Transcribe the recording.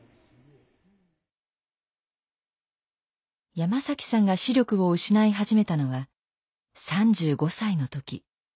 山さんが視力を失い始めたのは３５歳の時。